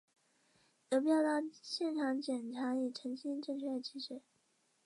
有必要到现场检查以澄清正确的机制。